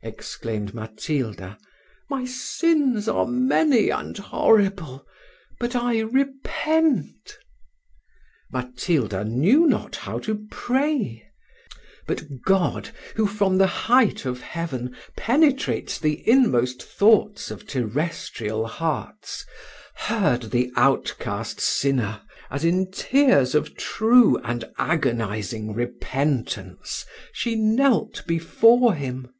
exclaimed Matilda; "my sins are many and horrible, but I repent." Matilda knew not how to pray; but God, who from the height of heaven penetrates the inmost thoughts of terrestrial hearts, heard the outcast sinner, as in tears of true and agonising repentance she knelt before him.